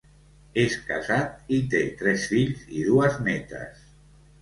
És casat i té tres fills i dues nétes.